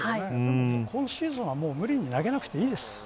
今シーズンは、もう無理に投げなくていいです。